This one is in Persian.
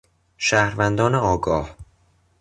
شهروندان آگاه